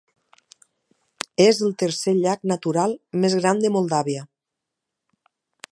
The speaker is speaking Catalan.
És el tercer llac natural més gran de Moldàvia.